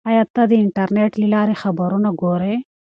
آیا ته د انټرنیټ له لارې خبرونه ګورې؟